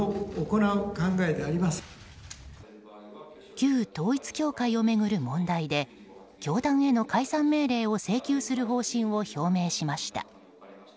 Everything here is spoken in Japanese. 旧統一教会を巡る問題で教団への解散命令を請求する方針を表明しました。